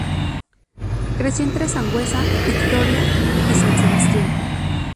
Creció entre Sangüesa, Vitoria y San Sebastián.